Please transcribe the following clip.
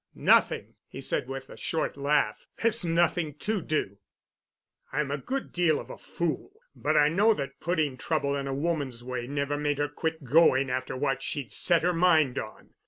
Nothing," he said with a short laugh. "There's nothing to do. I'm a good deal of a fool, but I know that putting trouble in a woman's way never made her quit going after what she'd set her mind on.